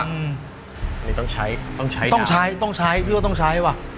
อันนี้ต้องใช้ต้องใช้ต้องใช้ต้องใช้พี่ว่าต้องใช้ว่ะ